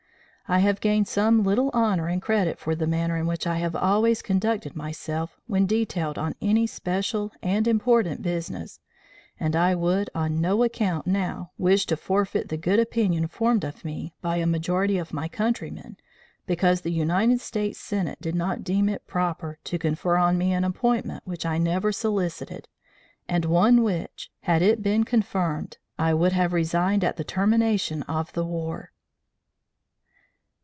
I have gained some little honor and credit for the manner in which I have always conducted myself when detailed on any special and important business, and I would on no account now wish to forfeit the good opinion formed of me by a majority of my countrymen because the United States Senate did not deem it proper to confer on me an appointment which I never solicited, and one which, had it been confirmed, I would have resigned at the termination of the war."